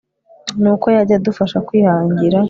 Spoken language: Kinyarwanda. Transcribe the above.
nuko yajya yadufasha kwihangira